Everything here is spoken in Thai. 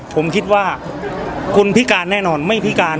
ผมคิดว่าคุณพิการแน่นอนไม่พิการ